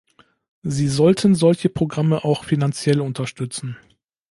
Sie sollten solche Programme auch finanziell unterstützen.